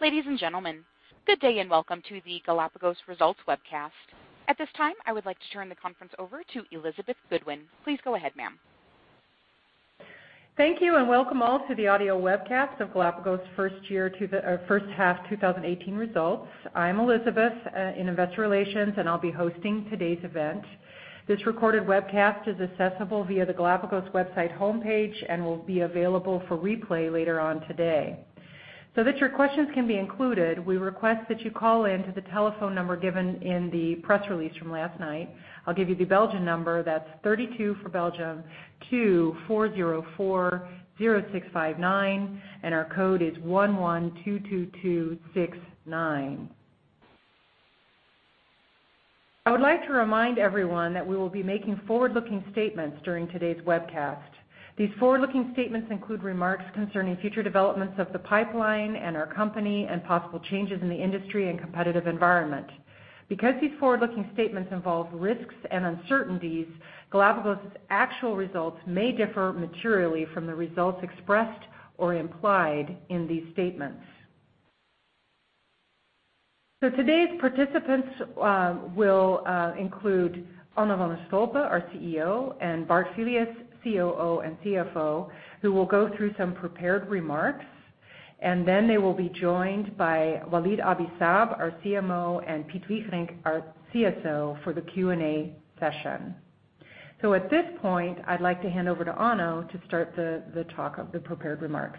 Ladies and gentlemen, good day and welcome to the Galapagos Results Webcast. At this time, I would like to turn the conference over to Elizabeth Goodwin. Please go ahead, ma'am. Thank you, and welcome all to the audio webcast of Galapagos first half 2018 results. I'm Elizabeth in investor relations, and I'll be hosting today's event. This recorded webcast is accessible via the Galapagos website homepage and will be available for replay later on today. That your questions can be included, we request that you call in to the telephone number given in the press release from last night. I'll give you the Belgian number, that's 32 for Belgium, 24040659, and our code is 1122269. I would like to remind everyone that we will be making forward-looking statements during today's webcast. These forward-looking statements include remarks concerning future developments of the pipeline and our company and possible changes in the industry and competitive environment. These forward-looking statements involve risks and uncertainties, Galapagos' actual results may differ materially from the results expressed or implied in these statements. Today's participants will include Onno van de Stolpe, our CEO, and Bart Filius, COO and CFO, who will go through some prepared remarks, and then they will be joined by Walid Abi-Saab, our CMO, and Piet Wigerinck, our CSO, for the Q&A session. At this point, I'd like to hand over to Onno to start the talk of the prepared remarks.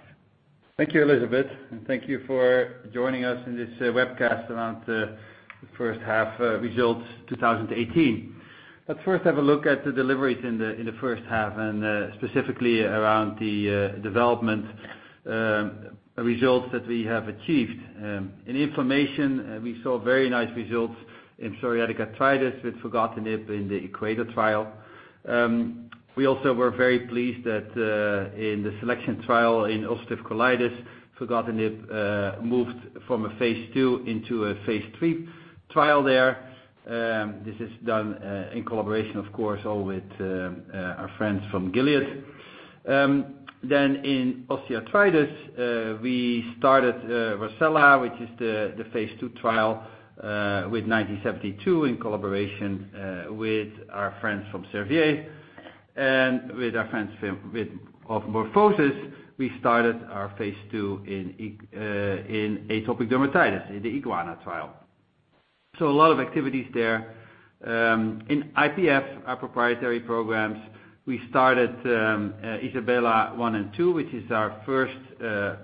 Thank you, Elizabeth, and thank you for joining us in this webcast around the first half results 2018. Let's first have a look at the deliveries in the first half and specifically around the development results that we have achieved. In inflammation, we saw very nice results in psoriatic arthritis with filgotinib in the EQUATOR trial. We also were very pleased that in the SELECTION trial in ulcerative colitis, filgotinib moved from a phase II into a phase III trial there. This is done in collaboration, of course, all with our friends from Gilead. In osteoarthritis, we started ROCCELLA, which is the phase II trial with GLPG1972 in collaboration with our friends from Servier and with our friends of MorphoSys, we started our phase II in atopic dermatitis in the IGUANA trial. A lot of activities there. In IPF, our proprietary programs, we started ISABELA 1 and 2, which is our first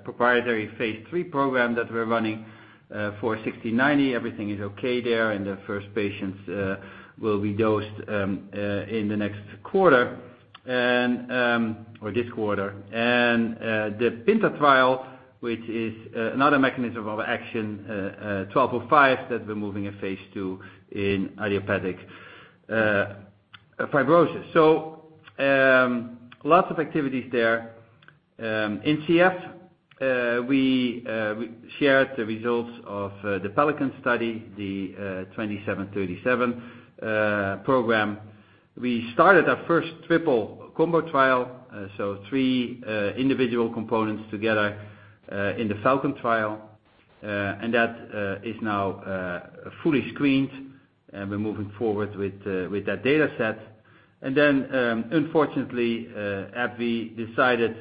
proprietary phase III program that we're running for 1690. Everything is okay there, and the first patients will be dosed in the next quarter or this quarter. The PINTA trial, which is another mechanism of action GLPG1205 that we're moving in phase II in idiopathic fibrosis. Lots of activities there. In CF, we shared the results of the PELICAN study, the GLPG2737 program. We started our first triple combo trial, so three individual components together in the FALCON trial and that is now fully screened and we're moving forward with that data set. Unfortunately, AbbVie decided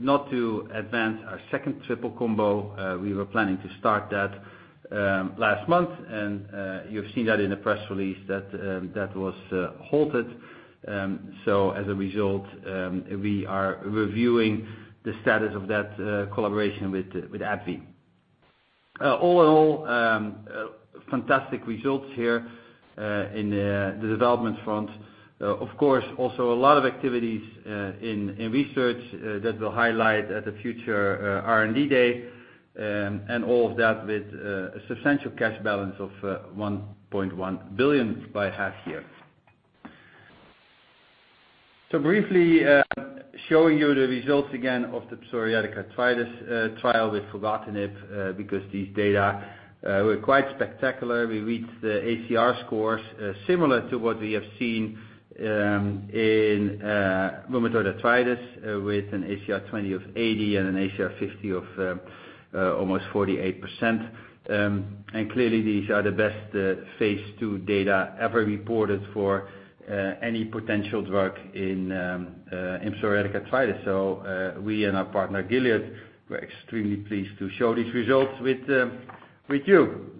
not to advance our second triple combo. We were planning to start that last month, and you have seen that in the press release that was halted. As a result, we are reviewing the status of that collaboration with AbbVie. All in all, fantastic results here in the development front. Of course, also a lot of activities in research that will highlight at the future R&D day and all of that with a substantial cash balance of 1.1 billion by half year. Briefly showing you the results again of the psoriatic arthritis trial with filgotinib because these data were quite spectacular. We reached the ACR scores similar to what we have seen in rheumatoid arthritis with an ACR20 of 80 and an ACR50 of almost 48%. Clearly these are the best phase II data ever reported for any potential drug in psoriatic arthritis. We and our partner, Gilead, were extremely pleased to show these results with you.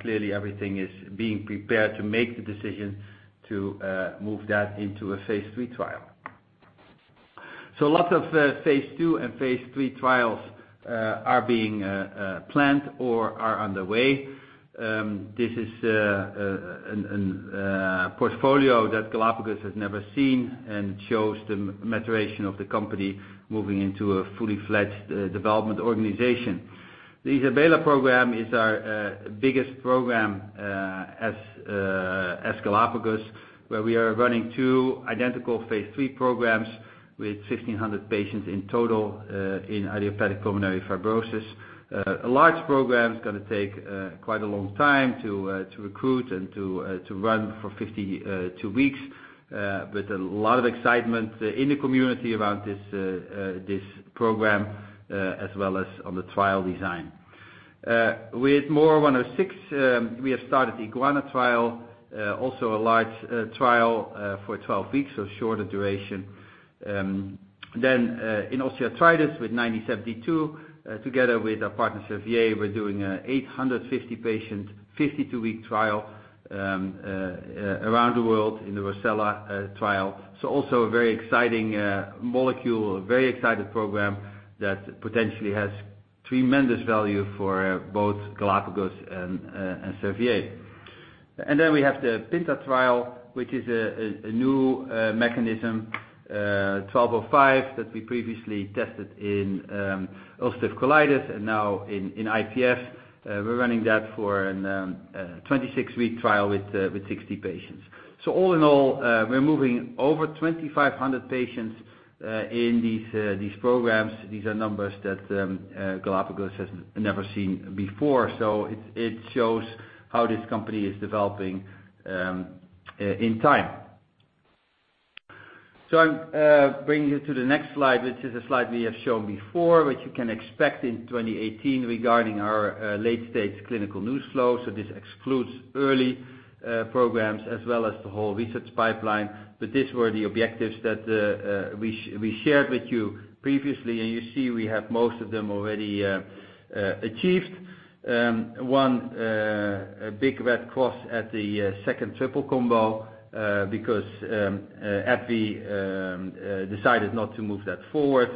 Clearly everything is being prepared to make the decision to move that into a phase III trial. Lots of phase II and phase III trials are being planned or are underway. This is a portfolio that Galapagos has never seen and shows the maturation of the company moving into a fully fledged development organization. The ISABELA program is our biggest program as Galapagos, where we are running two identical phase III programs with 1,500 patients in total in idiopathic pulmonary fibrosis. A large program is going to take quite a long time to recruit and to run for 52 weeks, but a lot of excitement in the community around this program as well as on the trial design. With MOR106, we have started the IGUANA trial, also a large trial for 12 weeks, so shorter duration. In osteoarthritis with 972, together with our partners at Servier, we're doing an 850-patient, 52-week trial around the world in the ROCCELLA trial. Also a very exciting molecule, a very exciting program that potentially has tremendous value for both Galapagos and Servier. We have the PINTA trial, which is a new mechanism, GLPG1205 that we previously tested in ulcerative colitis and now in IPF. We're running that for a 26-week trial with 60 patients. All in all, we're moving over 2,500 patients in these programs. These are numbers that Galapagos has never seen before. It shows how this company is developing in time. I'm bringing you to the next slide, which is a slide we have shown before, which you can expect in 2018 regarding our late-stage clinical news flow. This excludes early programs as well as the whole research pipeline. These were the objectives that we shared with you previously, and you see we have most of them already achieved. One big red cross at the second triple combo because AbbVie decided not to move that forward.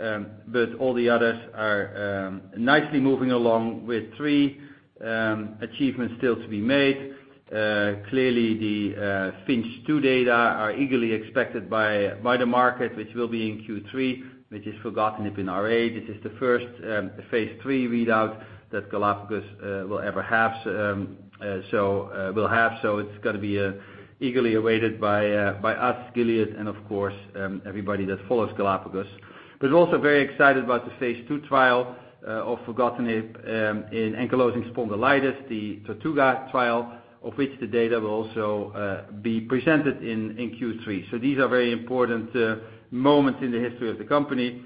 All the others are nicely moving along with three achievements still to be made. Clearly the FINCH 2 data are eagerly expected by the market, which will be in Q3, which is for filgotinib in RA. This is the first phase III readout that Galapagos will have, so it's going to be eagerly awaited by us, Gilead, and of course, everybody that follows Galapagos. Also very excited about the phase II trial of filgotinib in ankylosing spondylitis, the TORTUGA trial, of which the data will also be presented in Q3. These are very important moments in the history of the company.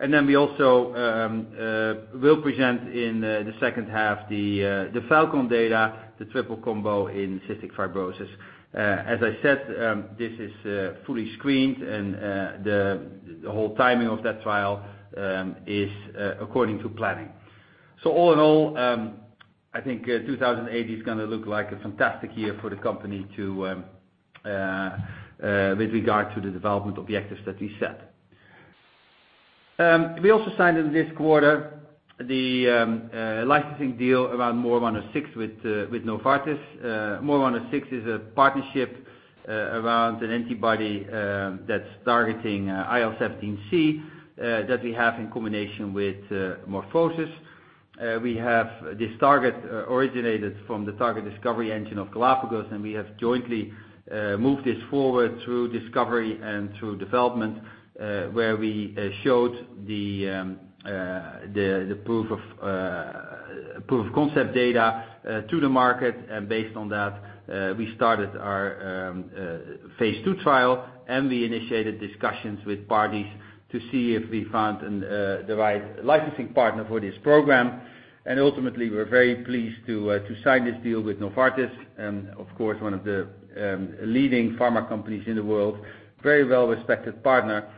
We also will present in the second half the FALCON data, the triple combo in cystic fibrosis. As I said, this is fully screened and the whole timing of that trial is according to planning. All in all, I think 2018 is going to look like a fantastic year for the company with regard to the development objectives that we set. We also signed in this quarter the licensing deal around MOR106 with Novartis. MOR106 is a partnership around an antibody that's targeting IL-17C that we have in combination with MorphoSys. We have this target originated from the target discovery engine of Galapagos, and we have jointly moved this forward through discovery and through development where we showed the proof of concept data to the market. Based on that, we started our phase II trial and we initiated discussions with parties to see if we found the right licensing partner for this program. Ultimately, we're very pleased to sign this deal with Novartis and of course, one of the leading pharma companies in the world, very well-respected partner.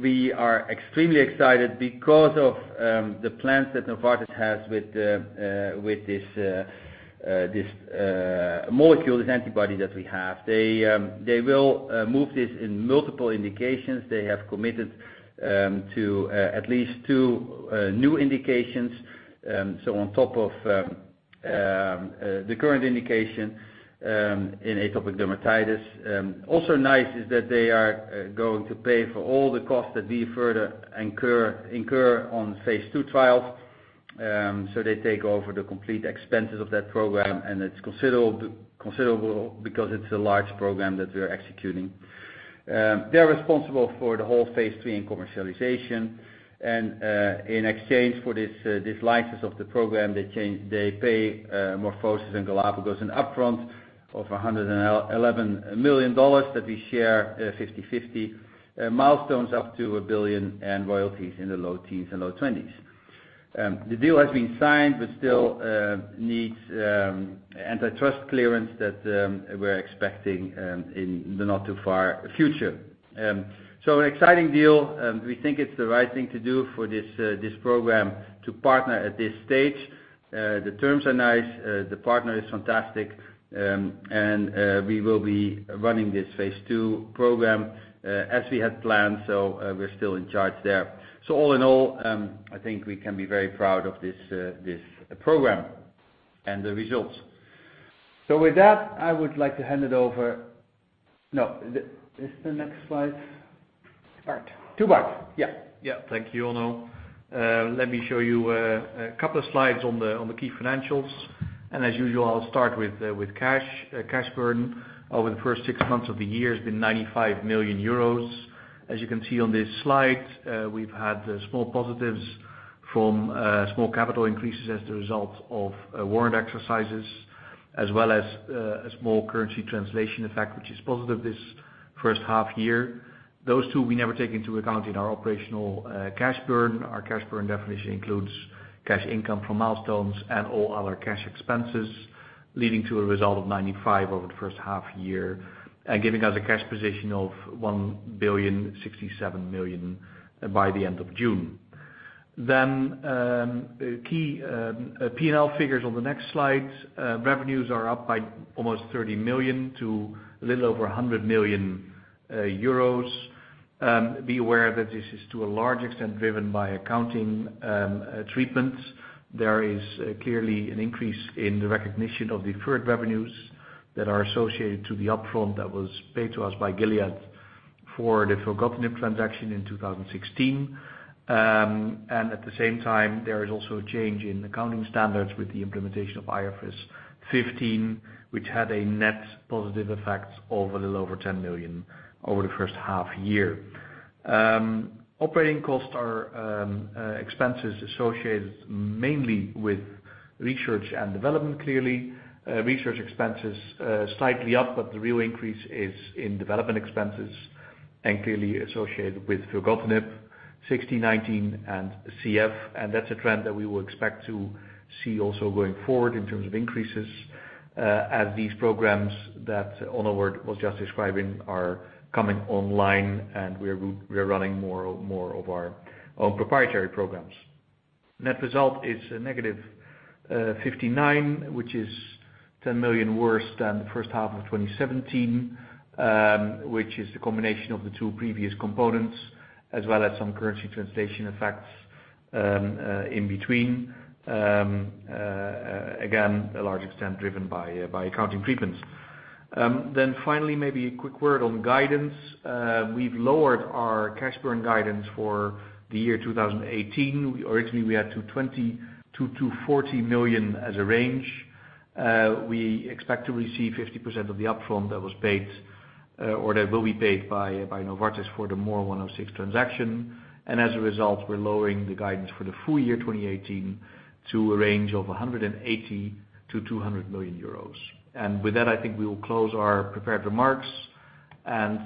We are extremely excited because of the plans that Novartis has with this molecule, this antibody that we have. They will move this in multiple indications. They have committed to at least two new indications. On top of the current indication in atopic dermatitis. Also nice is that they are going to pay for all the costs that we further incur on phase II trials. They take over the complete expenses of that program and it's considerable because it's a large program that we are executing. They're responsible for the whole phase III and commercialization. In exchange for this license of the program, they pay MorphoSys and Galapagos an upfront of $111 million that we share 50/50, milestones up to 1 billion and royalties in the low teens and low 20s. The deal has been signed, but still needs antitrust clearance that we're expecting in the not too far future. An exciting deal. We think it's the right thing to do for this program to partner at this stage. The terms are nice. The partner is fantastic. We will be running this phase II program as we had planned. We're still in charge there. All in all, I think we can be very proud of this program and the results. With that, I would like to hand it over No. Is the next slide? Bart. To Bart. Yeah. Yeah. Thank you, Onno. Let me show you a couple of slides on the key financials. As usual, I'll start with cash. Cash burn over the first six months of the year has been 95 million euros. As you can see on this slide, we've had small positives from small capital increases as the result of warrant exercises as well as a small currency translation effect, which is positive this first half year. Those two we never take into account in our operational cash burn. Our cash burn definition includes cash income from milestones and all other cash expenses, leading to a result of 95 million over the first half year and giving us a cash position of 1.067 billion by the end of June. Key P&L figures on the next slide. Revenues are up by almost 30 million to a little over 100 million euros. Be aware that this is to a large extent driven by accounting treatments. There is clearly an increase in the recognition of deferred revenues that are associated to the upfront that was paid to us by Gilead for the filgotinib transaction in 2016. At the same time, there is also a change in accounting standards with the implementation of IFRS 15, which had a net positive effect of a little over 10 million over the first half year. Operating costs are expenses associated mainly with research and development, clearly. Research expenses are slightly up, but the real increase is in development expenses and clearly associated with filgotinib, GLPG1690, and CF. That's a trend that we will expect to see also going forward in terms of increases, as these programs that Onno was just describing are coming online and we are running more of our own proprietary programs. Net result is a negative 59 million, which is 10 million worse than the first half of 2017, which is the combination of the two previous components as well as some currency translation effects in between. Again, a large extent driven by accounting treatments. Finally, maybe a quick word on guidance. We've lowered our cash burn guidance for the year 2018. Originally, we had 220 million to 240 million as a range. We expect to receive 50% of the upfront that was paid or that will be paid by Novartis for the MOR106 transaction. As a result, we're lowering the guidance for the full year 2018 to a range of 180 million to 200 million euros. With that, I think we will close our prepared remarks and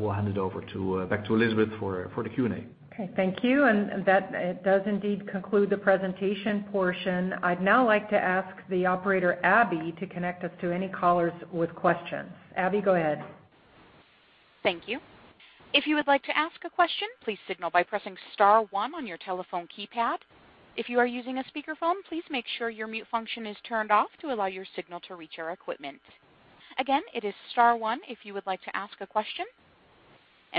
we'll hand it over back to Elizabeth for the Q&A. Okay. Thank you. That does indeed conclude the presentation portion. I'd now like to ask the operator, Abby, to connect us to any callers with questions. Abby, go ahead. Thank you. If you would like to ask a question, please signal by pressing star one on your telephone keypad. If you are using a speakerphone, please make sure your mute function is turned off to allow your signal to reach our equipment. Again, it is star one if you would like to ask a question.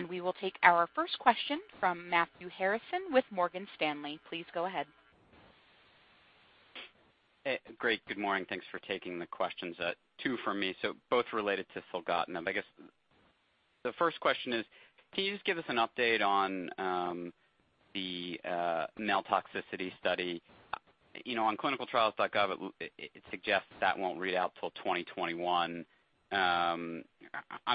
We will take our first question from Matthew Harrison with Morgan Stanley. Please go ahead. Great. Good morning. Thanks for taking the questions. Two from me. Both related to filgotinib. I guess the first question is, can you just give us an update on the male toxicity study? On clinicaltrials.gov, it suggests that won't read out till 2021. I'm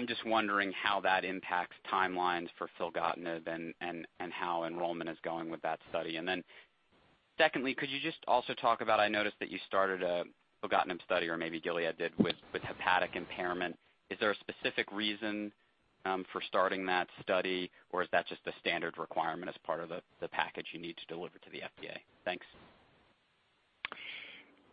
just wondering how that impacts timelines for filgotinib and how enrollment is going with that study. Then secondly, could you just also talk about, I noticed that you started a filgotinib study or maybe Gilead did with hepatic impairment. Is there a specific reason for starting that study or is that just a standard requirement as part of the package you need to deliver to the FDA? Thanks.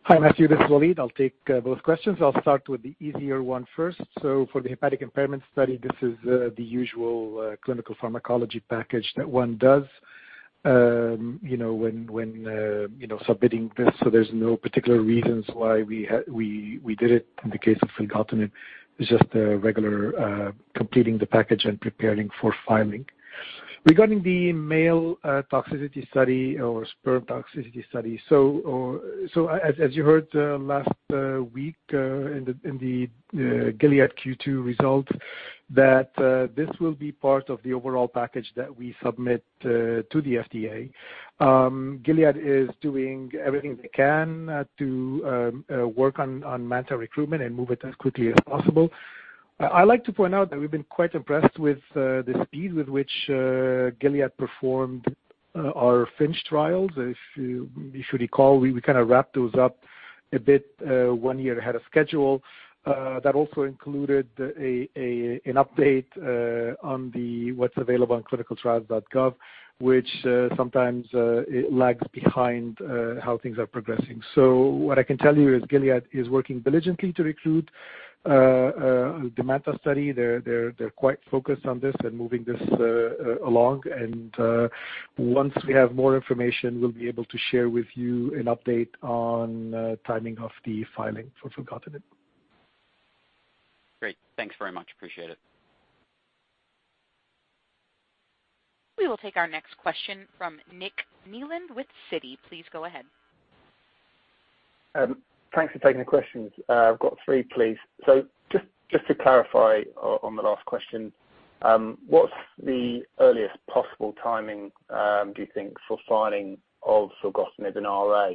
Hi, Matthew. This is Walid. I'll take both questions. I'll start with the easier one first. For the hepatic impairment study, this is the usual clinical pharmacology package that one does when submitting this. There's no particular reasons why we did it in the case of filgotinib. It's just a regular completing the package and preparing for filing. Regarding the male toxicity study or sperm toxicity study, as you heard last week in the Gilead Q2 result, that this will be part of the overall package that we submit to the FDA. Gilead is doing everything they can to work on MANTA recruitment and move it as quickly as possible. I like to point out that we've been quite impressed with the speed with which Gilead performed our FINCH trials. If you recall, we kind of wrapped those up a bit one year ahead of schedule. That also included an update on what's available on clinicaltrials.gov, which sometimes lags behind how things are progressing. What I can tell you is Gilead is working diligently to recruit the MANTA study. They're quite focused on this and moving this along and once we have more information, we'll be able to share with you an update on timing of the filing for filgotinib. Great. Thanks very much. Appreciate it. We will take our next question from Nick Nieland with Citi. Please go ahead. Thanks for taking the questions. I've got three, please. Just to clarify on the last question, what's the earliest possible timing, do you think, for filing of filgotinib in RA?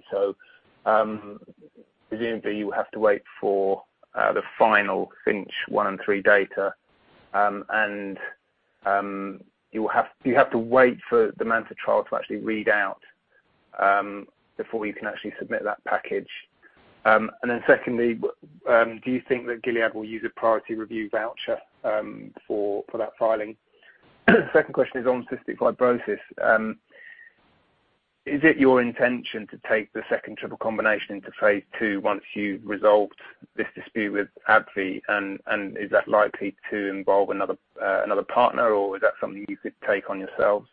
Presumably you have to wait for the final FINCH 1 and 3 data, and you have to wait for the MANTA trial to actually read out before you can actually submit that package. Secondly, do you think that Gilead will use a priority review voucher for that filing? Second question is on cystic fibrosis. Is it your intention to take the second triple combination into phase II once you've resolved this dispute with AbbVie? Is that likely to involve another partner or is that something you could take on yourselves?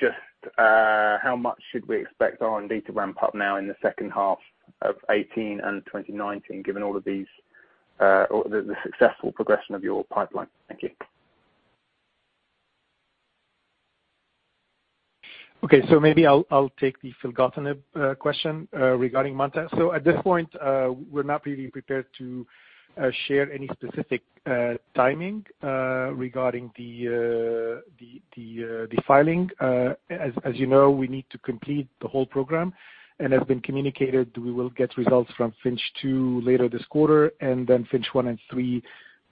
Just how much should we expect R&D to ramp up now in the second half of 2018 and 2019, given all of these, or the successful progression of your pipeline? Thank you. Maybe I'll take the filgotinib question regarding MANTA. At this point, we're not really prepared to share any specific timing regarding the filing. As you know, we need to complete the whole program and have been communicated, we will get results from FINCH 2 later this quarter, and then FINCH 1 and 3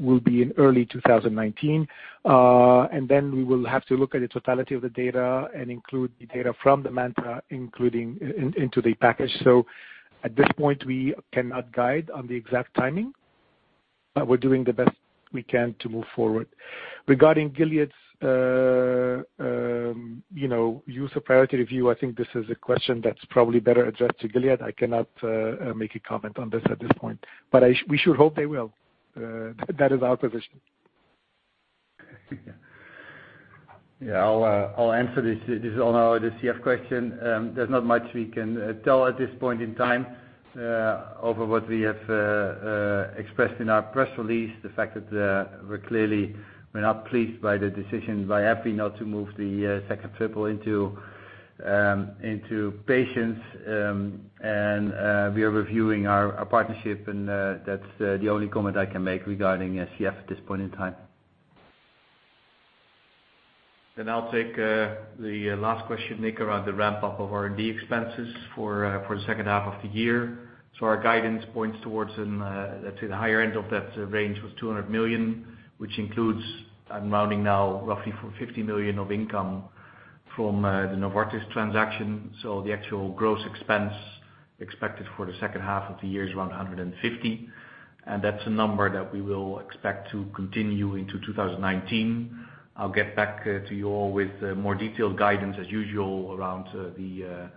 will be in early 2019. We will have to look at the totality of the data and include the data from the MANTA into the package. At this point, we cannot guide on the exact timing. We're doing the best we can to move forward. Regarding Gilead's use of priority review, I think this is a question that's probably better addressed to Gilead. I cannot make a comment on this at this point. We should hope they will. That is our position. Yeah, I'll answer this. This is on the CF question. There's not much we can tell at this point in time over what we have expressed in our press release. The fact that we're clearly we're not pleased by the decision by AbbVie not to move the second triple into patients. We are reviewing our partnership, and that's the only comment I can make regarding CF at this point in time. I'll take the last question, Nick, around the ramp-up of R&D expenses for the second half of the year. Our guidance points towards, let's say, the higher end of that range was 200 million, which includes, I'm rounding now, roughly 50 million of income from the Novartis transaction. The actual gross expense expected for the second half of the year is around 150. That's a number that we will expect to continue into 2019. I'll get back to you all with more detailed guidance as usual around the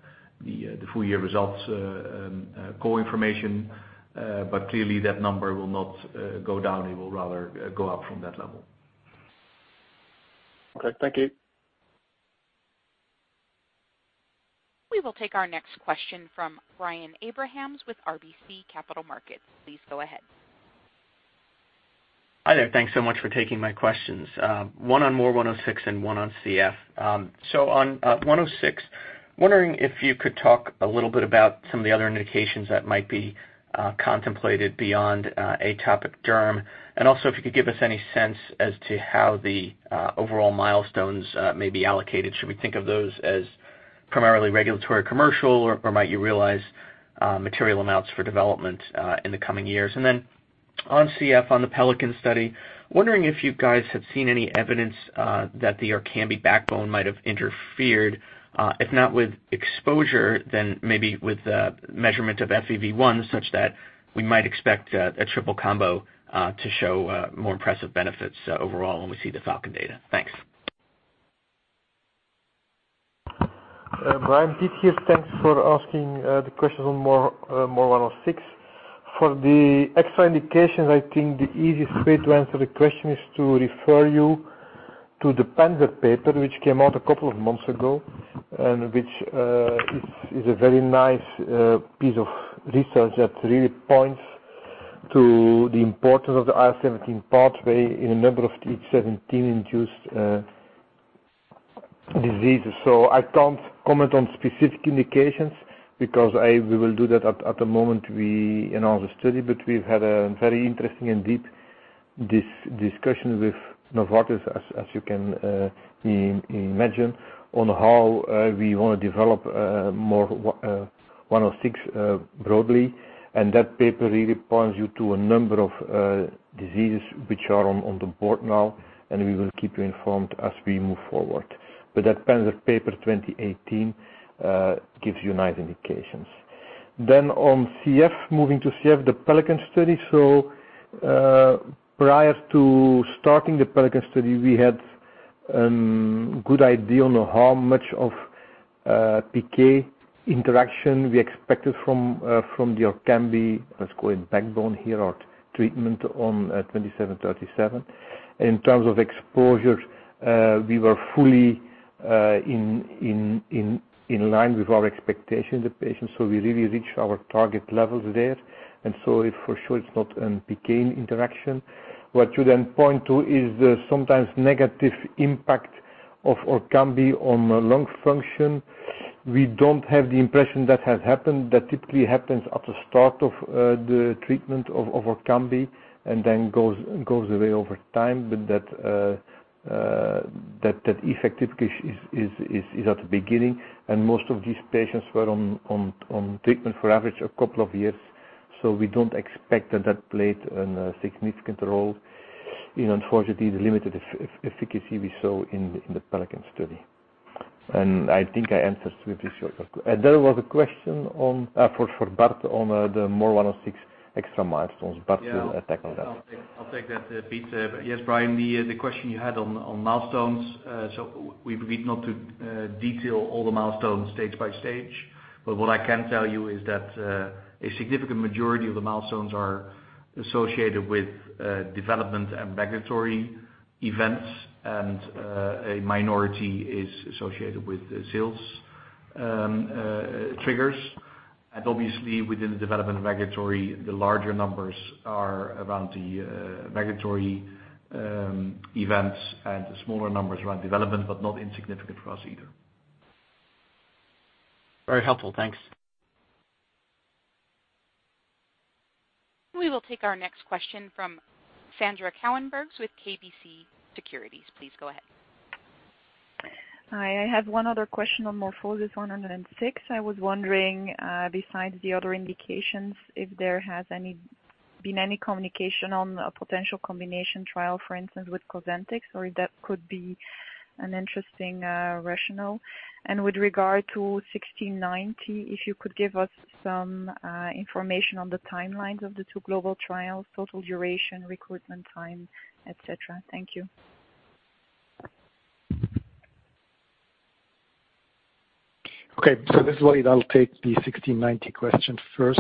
full-year results call information. Clearly, that number will not go down. It will rather go up from that level. Okay, thank you. We will take our next question from Brian Abrahams with RBC Capital Markets. Please go ahead. Hi there. Thanks so much for taking my questions. One on MOR106 and one on CF. On 106, wondering if you could talk a little bit about some of the other indications that might be contemplated beyond atopic derm. Also if you could give us any sense as to how the overall milestones may be allocated. Should we think of those as primarily regulatory commercial, or might you realize material amounts for development in the coming years? On CF, on the PELICAN study, wondering if you guys have seen any evidence that the ORKAMBI backbone might have interfered, if not with exposure, then maybe with measurement of FEV1, such that we might expect a triple combo to show more impressive benefits overall when we see the FALCON data. Thanks. Brian, Piet here. Thanks for asking the questions on MOR106. For the extra indications, I think the easiest way to answer the question is to refer you to the Panzer paper, which came out a couple of months ago, and which is a very nice piece of research that really points to the importance of the IL-17 pathway in a number of TH17-induced diseases. I can't comment on specific indications because we will do that at the moment in our study, but we've had a very interesting and deep discussion with Novartis, as you can imagine, on how we want to develop MOR106 broadly. That paper really points you to a number of diseases which are on the board now, and we will keep you informed as we move forward. That Panzer paper 2018 gives you nice indications. On CF, moving to CF, the PELICAN study. Prior to starting the PELICAN study, we had good idea on how much of PK interaction we expected from the ORKAMBI, let's call it backbone here or treatment on 2737. In terms of exposure, we were fully in line with our expectation of the patients. We really reached our target levels there. For sure it's not a PK interaction. What you then point to is the sometimes negative impact of ORKAMBI on lung function. We don't have the impression that has happened. That typically happens at the start of the treatment of ORKAMBI and then goes away over time. That effect typically is at the beginning. Most of these patients were on treatment for average a couple of years. We don't expect that that played a significant role is unfortunately the limited efficacy we saw in the PELICAN study. I think I answered swiftly your question. There was a question for Bart on the MOR106 extra milestones. Bart will tackle that. I'll take that, Piet. Yes, Brian, the question you had on milestones. We've agreed not to detail all the milestones stage by stage. What I can tell you is that a significant majority of the milestones are associated with development and regulatory events and a minority is associated with sales triggers. Obviously within the development of regulatory, the larger numbers are around the regulatory events and the smaller numbers around development, but not insignificant for us either. Very helpful. Thanks. We will take our next question from Sandra Cauwenberghs with KBC Securities. Please go ahead. Hi. I have one other question on MorphoSys 106. I was wondering, besides the other indications, if there has been any communication on a potential combination trial, for instance, with COSENTYX, or if that could be an interesting rationale. With regard to 1690, if you could give us some information on the timelines of the two global trials, total duration, recruitment time, et cetera. Thank you. This is Walid Abi-Saab. I'll take the 1690 question first.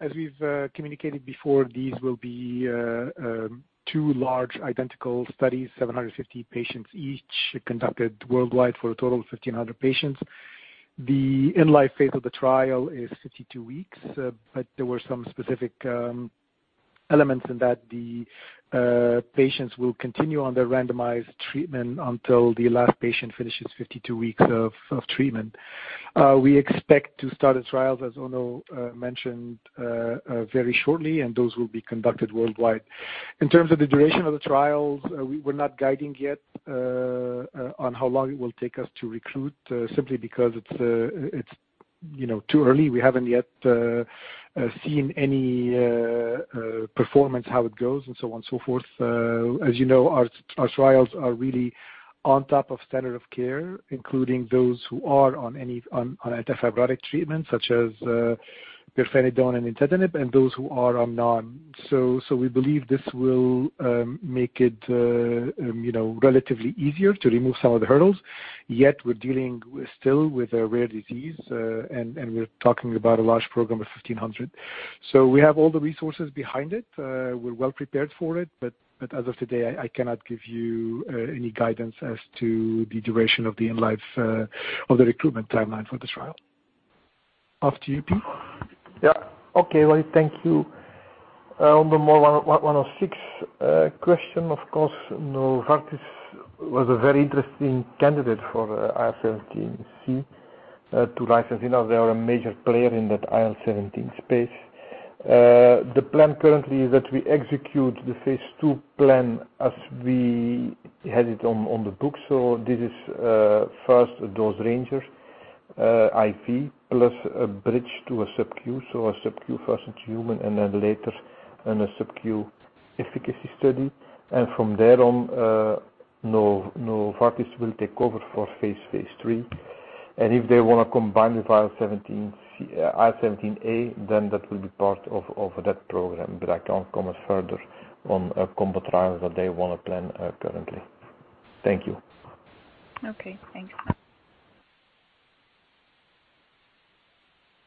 As we've communicated before, these will be two large identical studies, 750 patients each, conducted worldwide for a total of 1,500 patients. The in-life phase of the trial is 52 weeks, but there were some specific elements in that the patients will continue on their randomized treatment until the last patient finishes 52 weeks of treatment. We expect to start the trials, as Onno van de Stolpe mentioned, very shortly, and those will be conducted worldwide. In terms of the duration of the trials, we're not guiding yet on how long it will take us to recruit, simply because it's too early. We haven't yet seen any performance, how it goes, and so on and so forth. As you know, our trials are really on top of standard of care, including those who are on any anti-fibrotic treatment, such as pirfenidone and nintedanib, and those who are on none. We believe this will make it relatively easier to remove some of the hurdles. Yet we're dealing still with a rare disease, we're talking about a large program of 1,500. We have all the resources behind it. We're well prepared for it. As of today, I cannot give you any guidance as to the duration of the recruitment timeline for the trial. Off to you, Piet Wigerinck. Yeah. Okay, Walid. Thank you. On the MOR106 question, of course, Novartis was a very interesting candidate for IL-17C to license. They are a major player in that IL-17 space. The plan currently is that we execute the phase II plan as we had it on the books. This is first a dose ranger IV plus a bridge to a subQ. A subQ first into human and then later in a subQ efficacy study. From there on, Novartis will take over for phase III. If they want to combine with IL-17A, then that will be part of that program. I can't comment further on a combo trial that they want to plan currently. Thank you. Okay, thanks.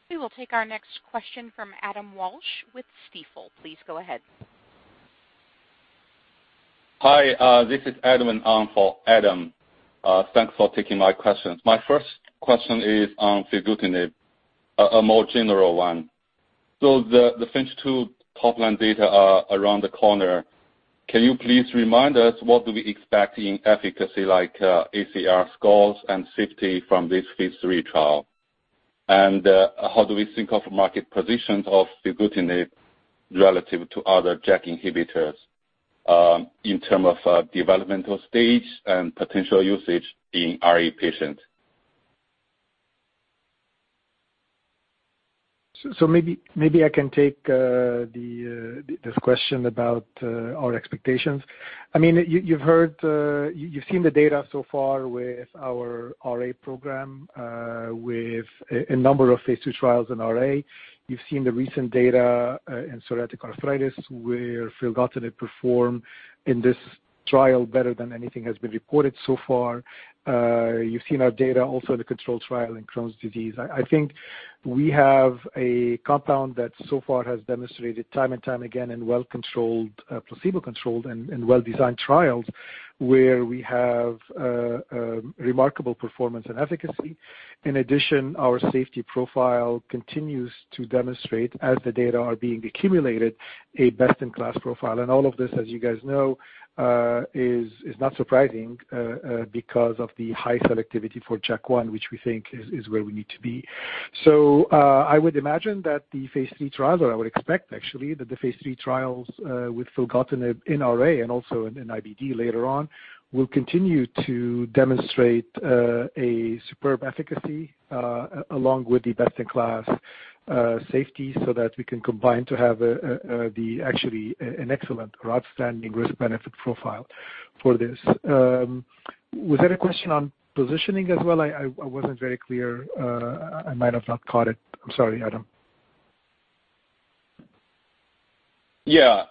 We will take our next question from Adam Walsh with Stifel. Please go ahead. Hi, this is Adam Walsh for Adam. Thanks for taking my questions. My first question is on filgotinib, a more general one. The phase II top-line data are around the corner. Can you please remind us what do we expect in efficacy, like ACR scores and safety from this phase III trial? How do we think of market positions of filgotinib relative to other JAK inhibitors in terms of developmental stage and potential usage in RA patient? Maybe I can take this question about our expectations. You've seen the data so far with our RA program, with a number of phase II trials in RA. You've seen the recent data in psoriatic arthritis, where filgotinib performed in this trial better than anything has been reported so far. You've seen our data also in the control trial in Crohn's disease. I think we have a compound that so far has demonstrated time and time again in well-controlled, placebo-controlled, and well-designed trials, where we have remarkable performance and efficacy. In addition, our safety profile continues to demonstrate, as the data are being accumulated, a best-in-class profile. All of this, as you guys know, is not surprising, because of the high selectivity for JAK1, which we think is where we need to be. I would imagine that the phase III trial, or I would expect actually, that the phase III trials with filgotinib in RA and also in IBD later on, will continue to demonstrate a superb efficacy along with the best-in-class safety so that we can combine to have actually, an excellent or outstanding risk-benefit profile for this. Was there a question on positioning as well? I wasn't very clear. I might have not caught it. I'm sorry, Adam. Yeah.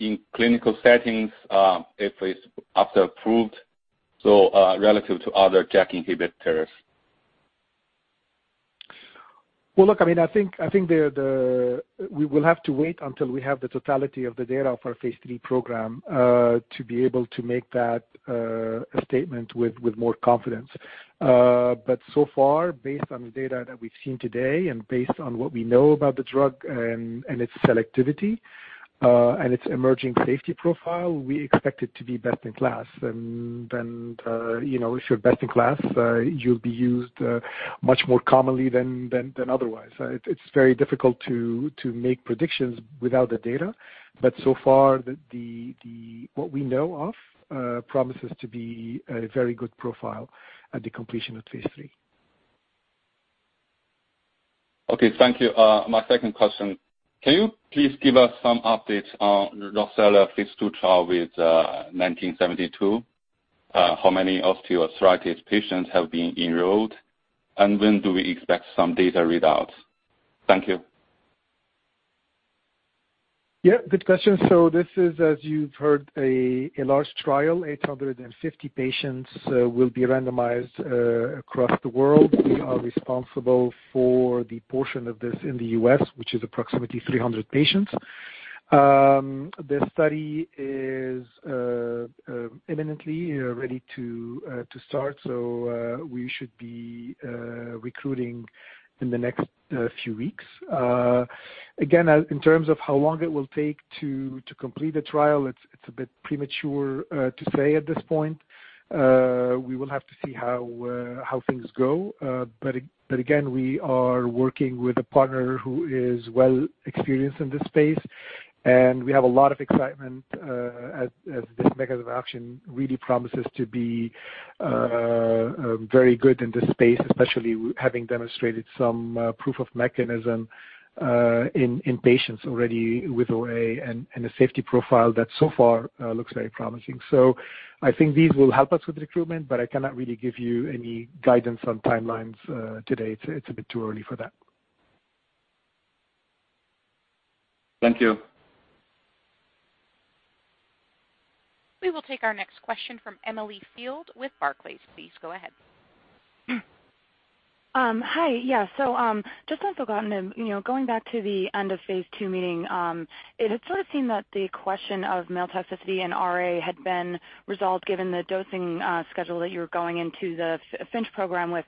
In clinical settings, if it's approved, relative to other JAK inhibitors. Well, look, I think we will have to wait until we have the totality of the data of our phase III program, to be able to make that a statement with more confidence. So far, based on the data that we've seen today and based on what we know about the drug and its selectivity, and its emerging safety profile, we expect it to be best in class. If you're best in class, you'll be used much more commonly than otherwise. It's very difficult to make predictions without the data, but so far, what we know of promises to be a very good profile at the completion of phase III. Okay, thank you. My second question, can you please give us some updates on ROCCELLA phase II trial with GLPG1972? How many osteoarthritis patients have been enrolled, and when do we expect some data readouts? Thank you. Yeah, good question. This is, as you've heard, a large trial. 850 patients will be randomized across the world. We are responsible for the portion of this in the U.S., which is approximately 300 patients. The study is imminently ready to start. We should be recruiting in the next few weeks. Again, in terms of how long it will take to complete the trial, it's a bit premature to say at this point. We will have to see how things go. Again, we are working with a partner who is well experienced in this space, and we have a lot of excitement as this mechanism of action really promises to be very good in this space, especially having demonstrated some proof of mechanism in patients already with OA and a safety profile that so far, looks very promising. I think these will help us with recruitment, but I cannot really give you any guidance on timelines today. It's a bit too early for that. Thank you. We will take our next question from Emily Field with Barclays. Please go ahead. Hi. Yeah. Just on filgotinib. Going back to the end of phase II meeting, it had sort of seemed that the question of male toxicity and RA had been resolved, given the dosing schedule that you were going into the FINCH program with.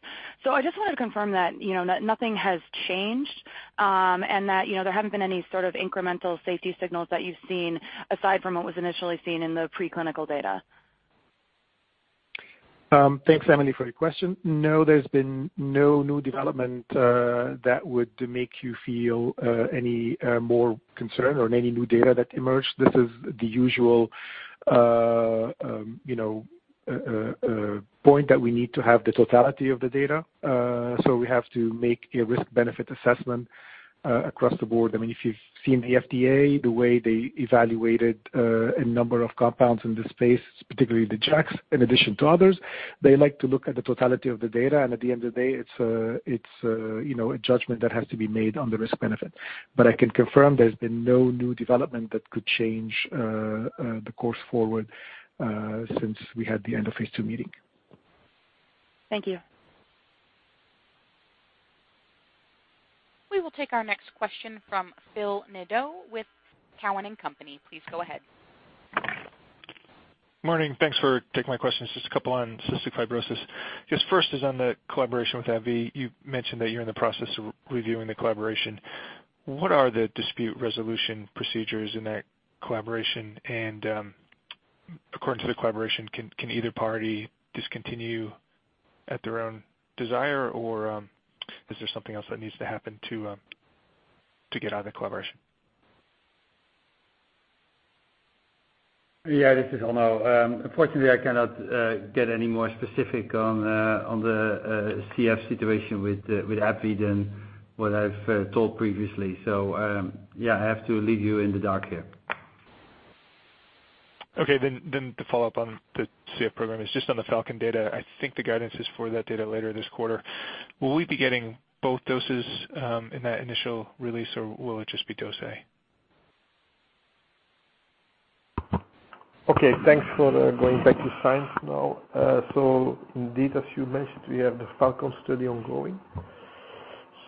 I just wanted to confirm that nothing has changed, and that there haven't been any sort of incremental safety signals that you've seen aside from what was initially seen in the preclinical data. Thanks, Emily, for your question. No, there's been no new development that would make you feel any more concerned or any new data that emerged. This is the usual point that we need to have the totality of the data. At the end of the day, it's a judgment that has to be made on the risk-benefit. I can confirm there's been no new development that could change the course forward since we had the end of phase II meeting. Thank you. We will take our next question from Phil Nadeau with Cowen and Company. Please go ahead. Morning. Thanks for taking my questions. Just a couple on cystic fibrosis. Just first is on the collaboration with AbbVie. You mentioned that you're in the process of reviewing the collaboration. What are the dispute resolution procedures in that collaboration? According to the collaboration, can either party discontinue at their own desire? Is there something else that needs to happen to get out of the collaboration? Yeah. This is Onno. Unfortunately, I cannot get any more specific on the CF situation with AbbVie than what I've told previously. Yeah, I have to leave you in the dark here. Okay, the follow-up on the CF program is just on the FALCON data. I think the guidance is for that data later this quarter. Will we be getting both doses in that initial release, or will it just be dose A? Okay. Thanks for going back to science now. Indeed, as you mentioned, we have the FALCON study ongoing.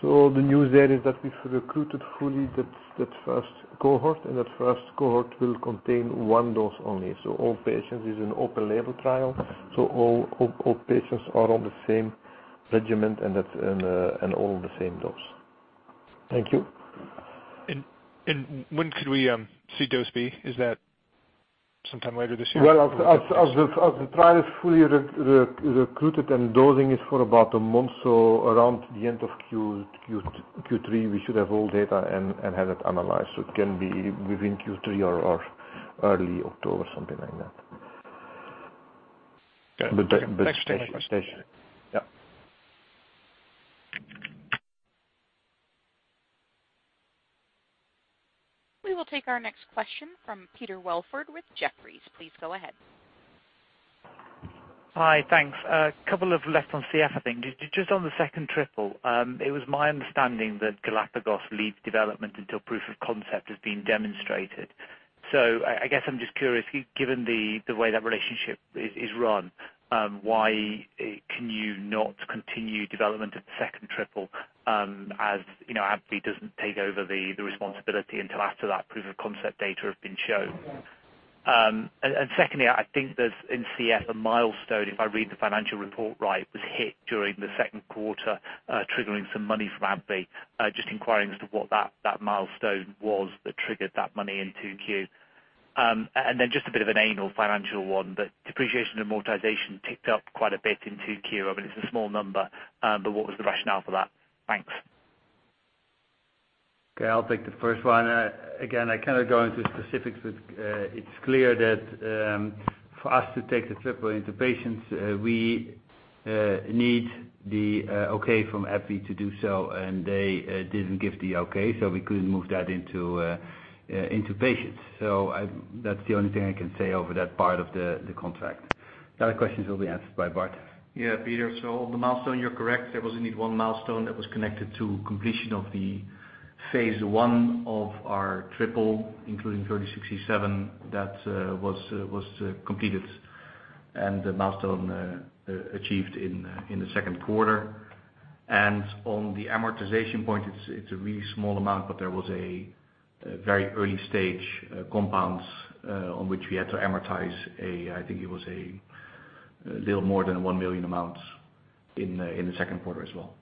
The news there is that we've recruited fully that first cohort, and that first cohort will contain one dose only. All patients, it's an open label trial, all patients are on the same regimen and all on the same dose. Thank you. When could we see dose B? Is that? Sometime later this year? Well, as the trial is fully recruited and dosing is for about a month. Around the end of Q3, we should have all data and have it analyzed. It can be within Q3 or early October, something like that. Okay. stay- Thanks so much. Yeah. We will take our next question from Peter Welford with Jefferies. Please go ahead. Hi. Thanks. A couple of left on CF, I think. Just on the second triple, it was my understanding that Galapagos leads development until proof of concept has been demonstrated. I guess I'm just curious, given the way that relationship is run, why can you not continue development of the second triple, as AbbVie doesn't take over the responsibility until after that proof of concept data have been shown. Secondly, I think there's, in CF, a milestone, if I read the financial report right, was hit during the second quarter, triggering some money from AbbVie. Just inquiring as to what that milestone was that triggered that money in 2Q. Then just a bit of an annual financial one, depreciation and amortization ticked up quite a bit in 2Q. I mean, it's a small number. What was the rationale for that? Thanks. Okay. I'll take the first one. I cannot go into specifics, but it's clear that for us to take the triple into patients, we need the okay from AbbVie to do so, and they didn't give the okay, so we couldn't move that into patients. That's the only thing I can say over that part of the contract. The other questions will be answered by Bart. Yeah, Peter. On the milestone, you're correct. There was indeed one milestone that was connected to completion of the phase 1 of our triple, including GLPG3067. That was completed and the milestone achieved in the second quarter. On the amortization point, it's a really small amount, but there was a very early stage compounds, on which we had to amortize, I think it was a little more than 1 million in the second quarter as well.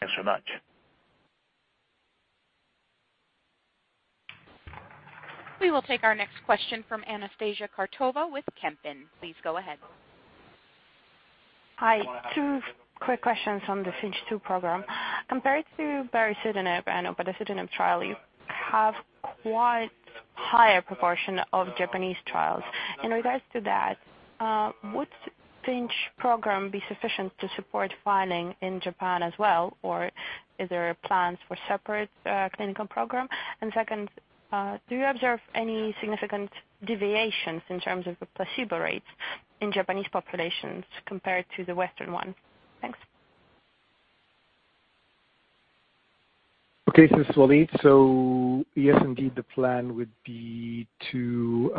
Thanks so much. We will take our next question from Anastasia Karpova with Kempen. Please go ahead. Hi. Two quick questions on the FINCH 2 program. Compared to baricitinib, I know baricitinib trial, you have quite higher proportion of Japanese trials. In regards to that, would FINCH program be sufficient to support filing in Japan as well, or is there plans for separate clinical program? Second, do you observe any significant deviations in terms of the placebo rates in Japanese populations compared to the Western one? Thanks. Okay. Walid. Yes, indeed, the plan would be to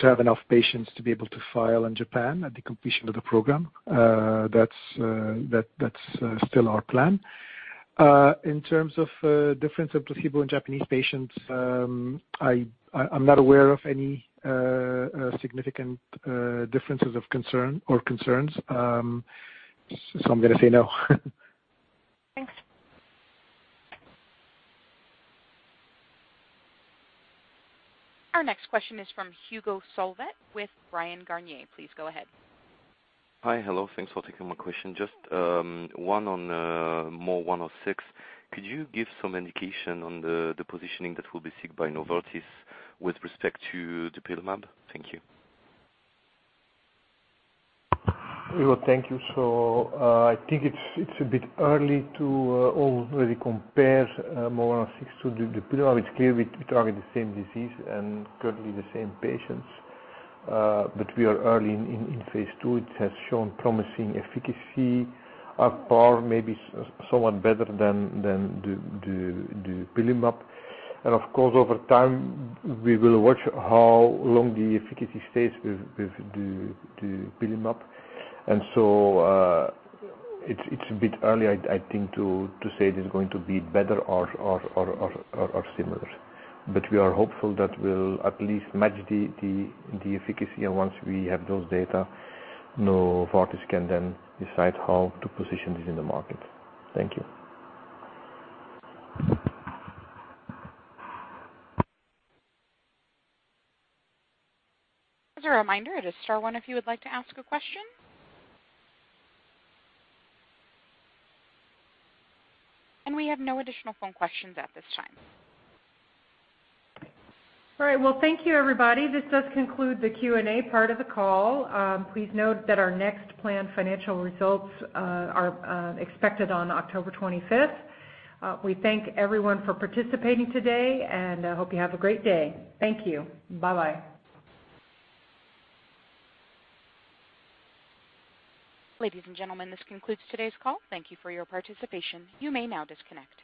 have enough patients to be able to file in Japan at the completion of the program. That's still our plan. In terms of difference of placebo in Japanese patients, I'm not aware of any significant differences of concern or concerns. I'm going to say no. Thanks. Our next question is from Hugo Solvet with Bryan Garnier. Please go ahead. Hi. Hello. Thanks for taking my question. Just one on MOR106. Could you give some indication on the positioning that will be seeked by Novartis with respect to dupilumab? Thank you. Hugo, thank you. I think it's a bit early to already compare MOR106 to dupilumab. It's clear we target the same disease and currently the same patients. We are early in phase II. It has shown promising efficacy, apart maybe somewhat better than the dupilumab. Of course, over time, we will watch how long the efficacy stays with the dupilumab. It's a bit early, I think, to say it is going to be better or similar. We are hopeful that we'll at least match the efficacy and once we have those data, Novartis can then decide how to position this in the market. Thank you. As a reminder, it is star one if you would like to ask a question. We have no additional phone questions at this time. All right. Well, thank you everybody. This does conclude the Q&A part of the call. Please note that our next planned financial results are expected on October 25th. We thank everyone for participating today, and I hope you have a great day. Thank you. Bye-bye. Ladies and gentlemen, this concludes today's call. Thank you for your participation. You may now disconnect.